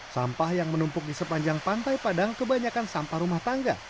sampah yang menumpuk di sepanjang pantai padang kebanyakan sampah rumah tangga